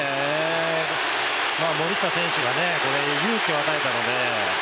森下選手が勇気を与えたので。